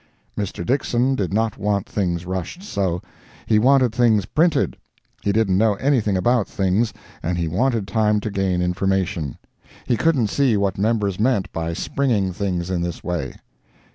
Mr. Dixson did not want things rushed so—he wanted things printed; he didn't know anything about things, and he wanted time to gain information. He couldn't see what members meant by springing things in this way.